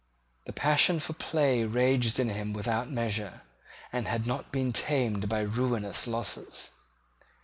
The passion for play raged in him without measure, and had not been tamed by ruinous losses.